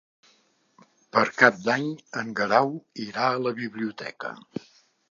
Per Cap d'Any en Guerau irà a la biblioteca.